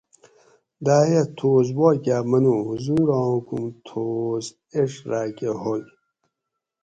دایہ تھوس واکاۤ منو حضوراں حکم تھوس ایڄ راۤکہ ہوگ